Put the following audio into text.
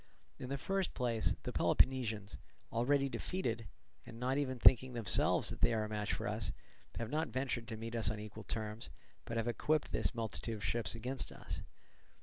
In the first place, the Peloponnesians, already defeated, and not even themselves thinking that they are a match for us, have not ventured to meet us on equal terms, but have equipped this multitude of ships against us.